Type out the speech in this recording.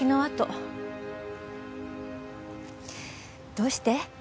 どうして？